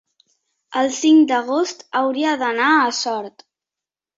el cinc d'agost hauria d'anar a Sort.